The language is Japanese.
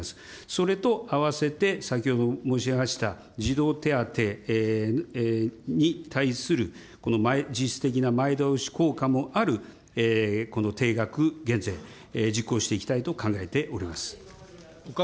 それと合わせて先ほど申しました、児童手当に対するこの実質的な前倒し効果もあるこの定額減税、実行していきたいと考えております。